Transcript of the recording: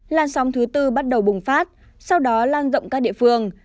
làn sóng thứ tư bắt đầu bùng phát sau đó lan rộng các địa phương